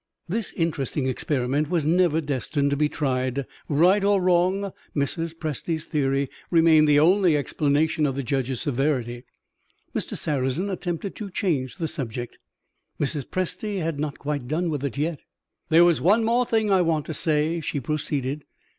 This interesting experiment was never destined to be tried. Right or wrong, Mrs. Presty's theory remained the only explanation of the judge's severity. Mr. Sarrazin attempted to change the subject. Mrs. Presty had not quite done with it yet. "There is one more thing I want to say," she proceeded.